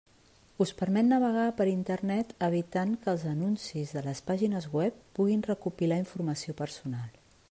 Us permet navegar per Internet evitant que els anuncis de les pàgines web puguin recopilar informació personal.